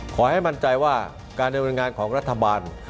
ขอให้มั่นใจว่าการดำเนินงานของรัฐบาล